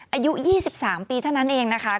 อายุ๒๓ปีเท่านั้นเองนะคะ